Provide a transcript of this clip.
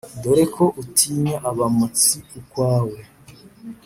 Dore ko utinya abamotsi ukwawe